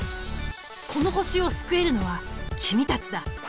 この星を救えるのは君たちだ。